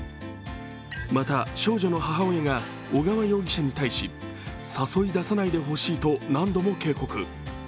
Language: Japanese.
また、少女の母親が小川容疑者に対し誘い出さないでほしいと何度も警告。